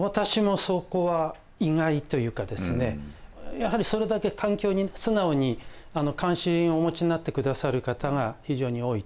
やはりそれだけ環境に素直に関心お持ちになってくださる方が非常に多いと。